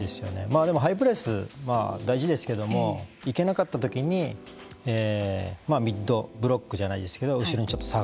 まあでもハイプレスは大事ですけども行けなかったときにミッドブロックじゃないですけど後ろにちょっと下がる。